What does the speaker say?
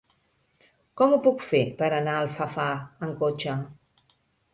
Com ho puc fer per anar a Alfafar amb cotxe?